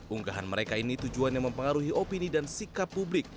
unggahan mereka ini tujuan yang mempengaruhi opini dan sikap publik